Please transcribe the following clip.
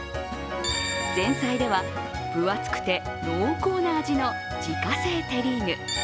前菜では、分厚くて濃厚な味の自家製テリーヌ。